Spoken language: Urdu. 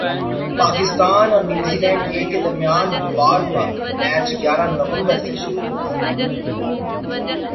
پاکستان اور نیوزی لینڈ اے کے درمیان وارم اپ میچ گیارہ نومبر سے شروع ہوگا